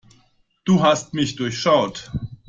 Du hast mich durchschaut.